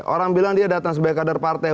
orang bilang dia datang sebagai kader partai